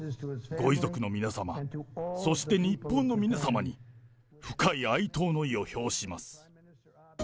ご遺族の皆様、そして日本の皆様に、深い哀悼の意を表します。